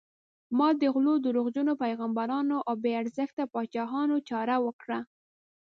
ما د غلو، دروغجنو پیغمبرانو او بې ارزښته پاچاهانو چاره وکړه.